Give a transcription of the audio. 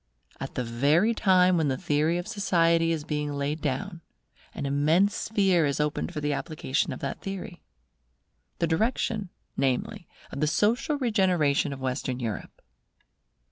At the very time when the theory of society is being laid down, an immense sphere is opened for the application of that theory; the direction, namely, of the social regeneration of Western Europe.